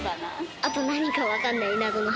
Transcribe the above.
あと何か分かんない謎の花。